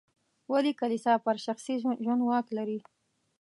ولې کلیسا پر شخصي ژوند واک لري.